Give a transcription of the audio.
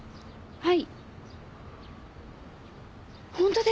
はい。